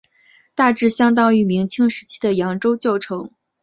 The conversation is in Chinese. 大致相当于明清时期的扬州旧城。